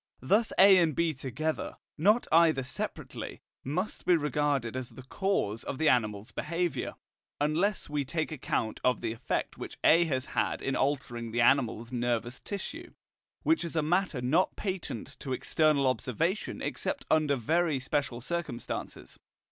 Thus A and B together, not either separately, must be regarded as the cause of the animal's behaviour, unless we take account of the effect which A has had in altering the animal's nervous tissue, which is a matter not patent to external observation except under very special circumstances.